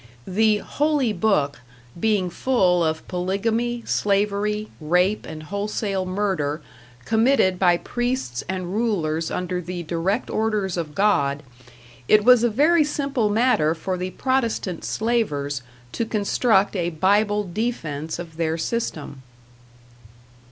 The "Holy Book" being full of polygamy, slavery, rape and wholesale murder, committed by priests and rulers under the direct orders of God, it was a very simple matter for the Protestant Slavers to construct a Bible defense of their system.